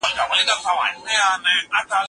د سولې یوازینی هدف زموږ ګډ مستقبل دی.